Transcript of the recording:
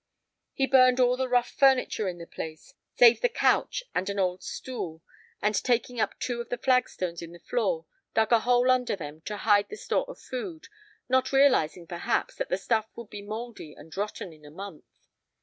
He burned all the rough furniture in the place, save the couch and an old stool, and, taking up two of the flagstones in the floor, dug a hole under them to hide the store of food, not realizing, perhaps, that the stuff would be mouldy and rotten in a month.